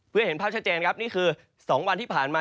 เพื่อเห็นภาพชัดเจนครับนี่คือ๒วันที่ผ่านมา